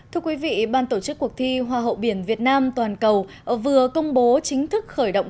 thưa quý vị ban tổ chức cuộc thi hoa hậu biển việt nam toàn cầu vừa công bố chính thức khởi động